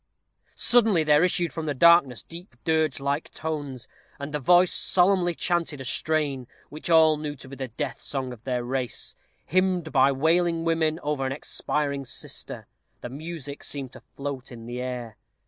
Suddenly there issued from the darkness deep dirge like tones, and a voice solemnly chanted a strain, which all knew to be the death song of their race, hymned by wailing women over an expiring sister. The music seemed to float in the air.